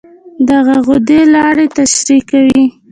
دغه غدې لاړې ترشح کوي.